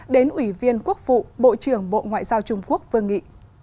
đến ủy viên quốc vụ bộ trưởng bộ ngoại giao trung quốc vương nghị